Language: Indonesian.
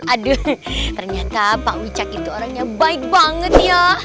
aduh ternyata pak wiccaq itu orang yang baik banget ya